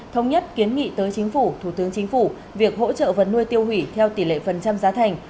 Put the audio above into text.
thống nhất kiến nghị tới chính phủ thủ tướng chính phủ việc hỗ trợ vật nuôi tiêu hủy theo tỷ lệ phần trăm giá thành